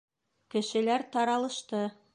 Кешеләр таралышты.